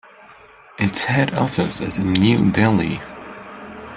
Its head office is in New Delhi.